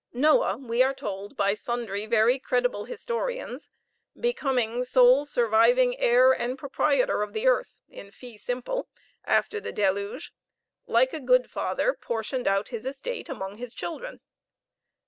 Noah, we are told by sundry very credible historians, becoming sole surviving heir and proprietor of the earth, in fee simple, after the deluge, like a good father, portioned out his estate among his children.